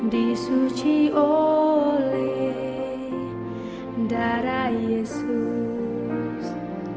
disuci oleh darah yesus